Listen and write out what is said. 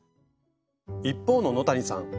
一方の野谷さん